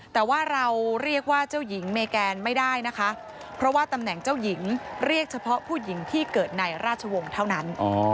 แต่ว่าเราเรียกว่าเจ้าหญิงเมแกนไม่ได้นะคะเพราะว่าตำแหน่งเจ้าหญิงเรียกเฉพาะผู้หญิงที่เกิดในราชวงศ์เท่านั้น